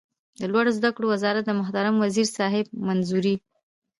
د لوړو زده کړو وزارت د محترم وزیر صاحب منظوري